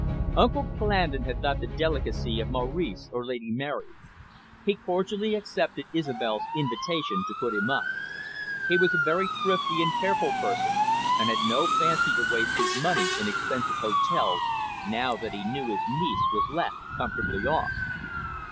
Uncle Clandon had not the delicacy of Maurice or Lady Mary. He cordially accepted Isobel's invitation to put him up. He was a very thrifty and careful person, and had no fancy to waste his money in expensive hotels, now that he knew his niece was left comfortably off.